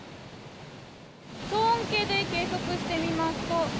騒音計で計測してみますと８０